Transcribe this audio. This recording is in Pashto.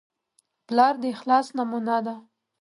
پلار د اخلاص نمونه ده.